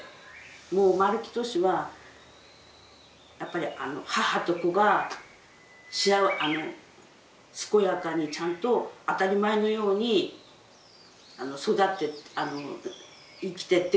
もう丸木俊はやっぱり母と子が健やかにちゃんと当たり前のように育って生きてってくれるっていうことだけですよ。